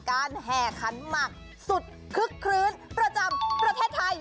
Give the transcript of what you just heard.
แห่ขันหมักสุดคึกคลื้นประจำประเทศไทย